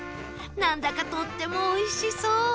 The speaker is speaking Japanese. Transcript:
なんだかとってもおいしそう